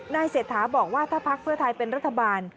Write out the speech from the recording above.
เศรษฐาบอกว่าถ้าพักเพื่อไทยเป็นรัฐบาล